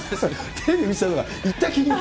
テレビ見てたのが、行った気にな